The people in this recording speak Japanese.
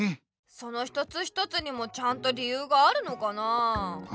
その一つ一つにもちゃんと理ゆうがあるのかなあ？